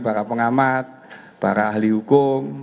para pengamat para ahli hukum